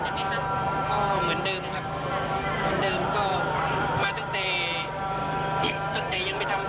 ตอนนี้เป็นครั้งหนึ่งครั้งหนึ่ง